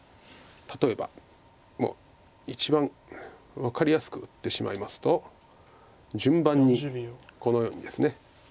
例えばもう一番分かりやすく打ってしまいますと順番にこのようにですね。